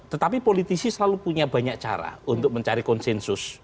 tetapi politisi selalu punya banyak cara untuk mencari konsensus